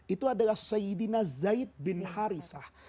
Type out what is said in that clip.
itu adalah sayyidina zaid bin harithah